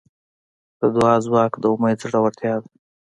د دعا ځواک د امید زړورتیا ده.